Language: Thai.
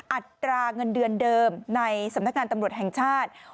อัตราเงินเดือนเดิมในสำนักงานตำรวจแห่งชาติ